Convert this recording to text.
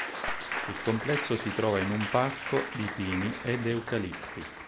Il complesso si trova in un parco di pini ed eucalipti.